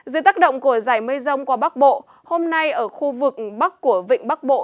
dưới tác động của giải mây rông qua bắc bộ hôm nay ở khu vực bắc của vịnh bắc bộ